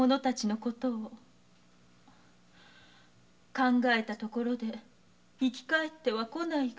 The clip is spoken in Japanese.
考えたところで生き返っては来ないが。